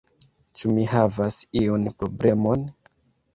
Ĉu mi havas iun problemon?